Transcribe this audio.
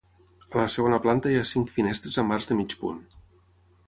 A la segona planta hi ha cinc finestres amb arcs de mig punt.